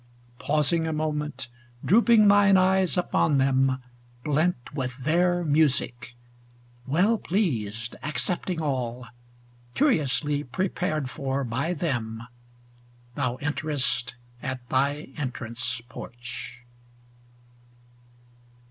pausing a moment, drooping thine eyes upon them, blent with their music, Well pleased, accepting all, curiously prepared for by them, Thou enterest at thy entrance porch.